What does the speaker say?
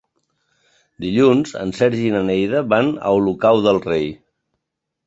Dilluns en Sergi i na Neida van a Olocau del Rei.